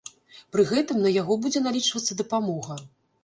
Пры гэтым на яго будзе налічвацца дапамога.